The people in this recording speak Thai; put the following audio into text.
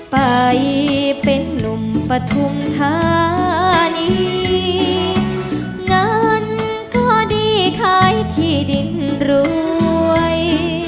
ไปเป็นนุ่มปฐุมธานีเงินก็ดีขายที่ดินรวย